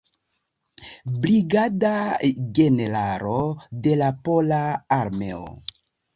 Brigada generalo de la Pola Armeo.